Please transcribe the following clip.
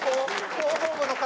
広報部の方。